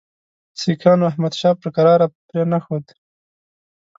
سیکهانو احمدشاه پر کراره پرې نه ښود.